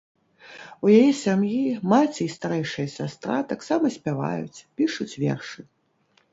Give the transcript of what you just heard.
У яе сям'і маці і старэйшая сястра таксама спяваюць, пішуць вершы.